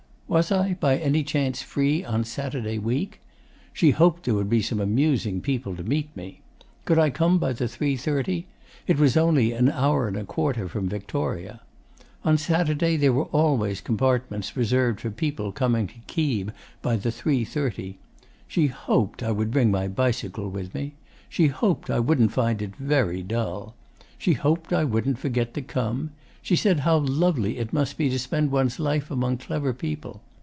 Was I, by any chance, free on Saturday week? She hoped there would be some amusing people to meet me. Could I come by the 3.30? It was only an hour and a quarter from Victoria. On Saturday there were always compartments reserved for people coming to Keeb by the 3.30. She hoped I would bring my bicycle with me. She hoped I wouldn't find it very dull. She hoped I wouldn't forget to come. She said how lovely it must be to spend one's life among clever people.